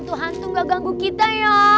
tuhan tuh gak ganggu kita ya